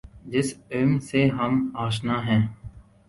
جس علم سے ہم آشنا ہیں۔